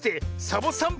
サボさん